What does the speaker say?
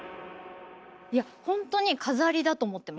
いやほんとに飾りだと思ってました。